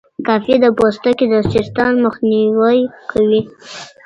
کافي د پوستکي د سرطان مخنیوی کوي.